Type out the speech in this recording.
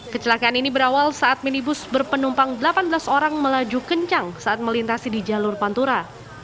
kecelakaan ini berawal saat minibus berpenumpang delapan belas orang melaju kencang saat melintasi di jalur pantura